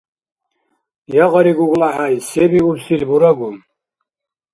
Ягъари, ГуглахӀяй, се биубсил бурагу?